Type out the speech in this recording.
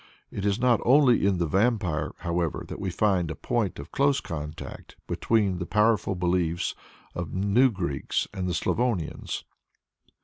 It is not only in the Vampire, however, that we find a point of close contact between the popular beliefs of the New Greeks and the Slavonians.